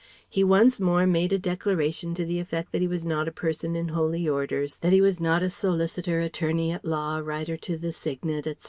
He once more made a declaration to the effect that he was not a person in Holy Orders, that he was not a Solicitor, Attorney at law, Writer to the Signet, etc.